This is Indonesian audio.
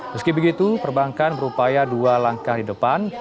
meski begitu perbankan berupaya dua langkah di depan